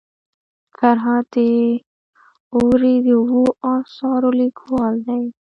فرهاد داوري د اوو اثارو لیکوال دی.